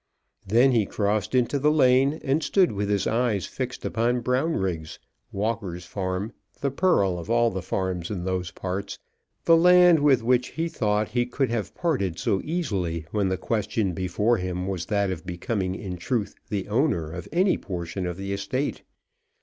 Then he crossed into the lane, and stood with his eyes fixed upon Brownriggs, Walker's farm, the pearl of all the farms in those parts, the land with which he thought he could have parted so easily when the question before him was that of becoming in truth the owner of any portion of the estate.